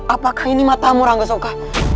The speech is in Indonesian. apakah ini matamu rangga suka